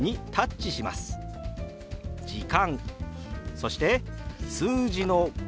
そして数字の「５」。